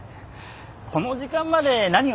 この時間まで何を？